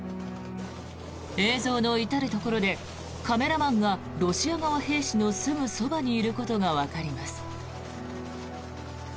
映像の至るところでカメラマンがロシア側兵士のすぐそばにいることがわかります。